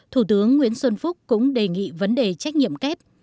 thủ tướng nguyễn xuân phúc cũng đề nghị vấn đề trách nhiệm kép